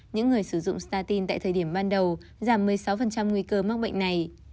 những người sử dụng startin tại thời điểm ban đầu giảm một mươi sáu nguy cơ mắc bệnh này